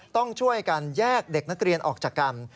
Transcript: ต้องช่วยกันแยกเด็กนักเรียนออกจากกัน